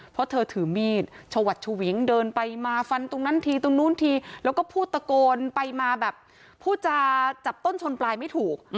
เพราะเธอถือมีดชวัดชวิงเดินไปมาฟันตรงนั้นทีตรงนู้นทีแล้วก็พูดตะโกนไปมาแบบพูดจาจับต้นชนปลายไม่ถูก